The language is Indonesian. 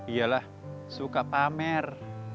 ialah suka pamer